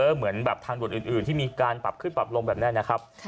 เหมือนแบบทางด่วนอื่นที่มีการปรับขึ้นปรับลงแบบนี้นะครับ